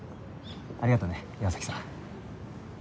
ありがとね岩崎さん。